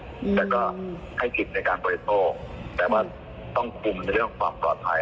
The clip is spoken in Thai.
อืมแล้วก็ให้สิทธิ์ในการบริโภคแต่ว่าต้องคุมในเรื่องความปลอดภัย